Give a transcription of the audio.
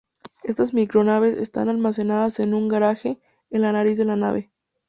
Estas micro-naves están almacenadas en un "garage" en la nariz de la nave.